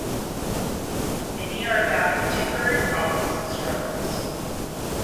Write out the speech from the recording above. Many are about contemporary problems and struggles.